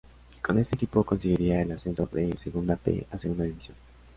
Con este equipo conseguiría el ascenso de Segunda B a Segunda División.